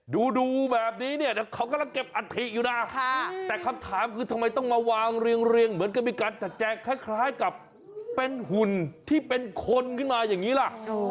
ดูแบบนี้เนี่ยเดี๋ยวเขากำลังเก็บอัฐิอยู่นะแต่คำถามคือทำไมต้องมาวางเรียงเหมือนกับมีการจัดแจงคล้ายกับเป็นหุ่นที่เป็นคนขึ้นมาอย่างนี้ล่ะ